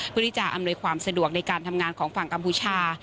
เพื่อที่จะอำนวยความสะดวกในการทำงานของฝั่งกัมพูชา